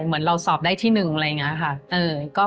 เหมือนเราสอบได้ที่๑อะไรอย่างนี้ค่ะ